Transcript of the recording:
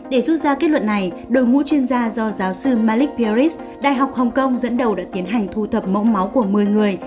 để rút ra kết luận này đội ngũ chuyên gia do giáo sư malikbierit đại học hồng kông dẫn đầu đã tiến hành thu thập mẫu máu của một mươi người